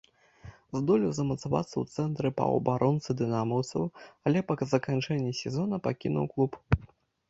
Здолеў замацавацца ў цэнтры паўабаронцы дынамаўцаў, але па заканчэнні сезона пакінуў клуб.